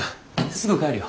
すぐ帰るよ。